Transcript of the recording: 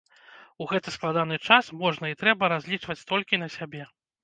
У гэты складаны час можна і трэба разлічваць толькі на сябе.